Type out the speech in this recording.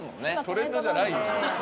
トレンドじゃないよ！